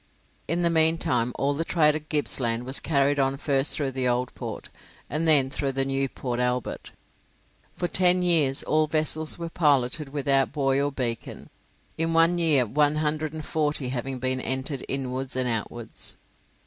In the meantime all the trade of Gippsland was carried on first through the Old Port, and then through the new Port Albert. For ten years all vessels were piloted without buoy or beacon; in one year one hundred and forty having been entered inwards and outwards.